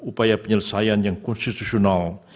upaya penyelesaian yang konstitusional